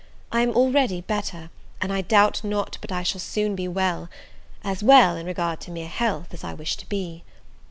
I am already better, and I doubt not but I shall soon be well; as well, in regard to mere health, as I wish to be.